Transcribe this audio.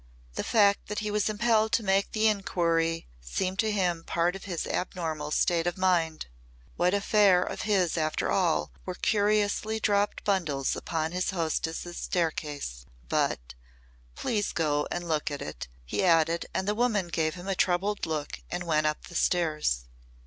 The fact that he was impelled to make the inquiry seemed to him part of his abnormal state of mind. What affair of his after all were curiously dropped bundles upon his hostess' staircase? But "Please go and look at it," he added, and the woman gave him a troubled look and went up the stairs.